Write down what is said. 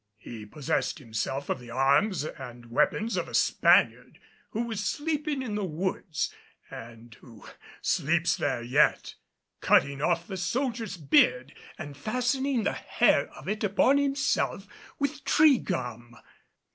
He possessed himself of the arms and weapons of a Spaniard who was sleeping in the woods, and who sleeps there yet; cutting off the soldier's beard and fastening the hair of it upon himself with tree gum.